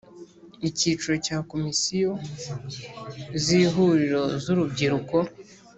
Icyiciro cya Komisiyo z Ihuriro z’urubyiruko